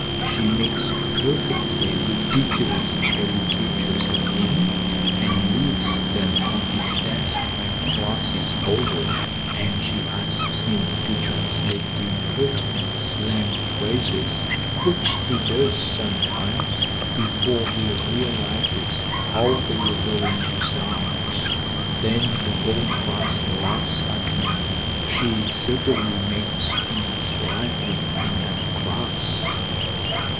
She makes perfectly ridiculous caricatures of him, and leaves them on his desk when class is over, and she asks him to translate impertinent slang phrases, which he does, sometimes, before he realizes how they are going to sound. Then the whole class laughs at him. She certainly makes things lively in that class."